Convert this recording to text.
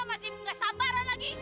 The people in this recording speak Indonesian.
masih gak sabaran lagi